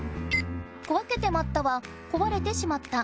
「こわけてまった」は「こわれてしまった」